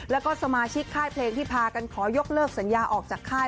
แล้วก็สมาชิกค่ายเพลงที่พากันขอยกเลิกสัญญาออกจากค่าย